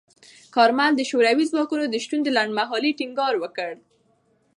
کارمل د شوروي ځواکونو د شتون د لنډمهالۍ ټینګار وکړ.